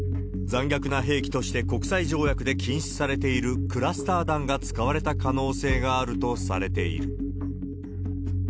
残虐な兵器として国際条約で禁止されているクラスター弾が使われた可能性があるとされている。